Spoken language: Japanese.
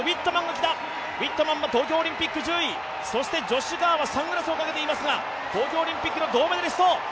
ウィットマンも東京オリンピック１０位、そしてジョッシュ・カーはサングラスをかけていますが東京オリンピックの銅メダリスト。